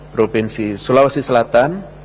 provinsi sulawesi selatan